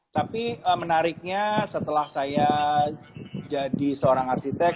tapi menariknya setelah saya jadi seorang arsitek